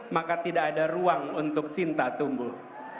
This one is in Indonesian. maka tidak ada ruang untuk sinta tumbuh